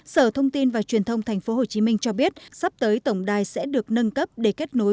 sở thông tin và truyền thông tp hcm cho biết sắp tới tổng đài sẽ được nâng cấp để kết nối